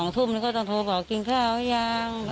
ทุ่มแล้วก็ต้องโทรบอกกินข้าวยัง